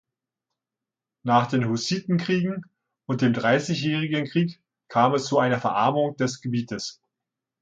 Nach den Hussitenkriegen und dem Dreißigjährigen Krieg kam es zu einer Verarmung des Gebietes.